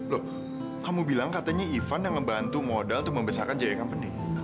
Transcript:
loh kamu bilang katanya ivan yang membantu modal untuk membesarkan jaya company